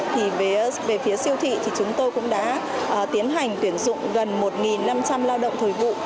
thì về phía siêu thị thì chúng tôi cũng đã tiến hành tuyển dụng gần một năm trăm linh lao động thời vụ